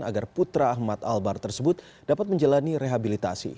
agar putra ahmad albar tersebut dapat menjalani rehabilitasi